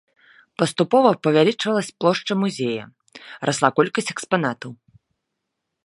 Паступова павялічвалася плошча музея, расла колькасць экспанатаў.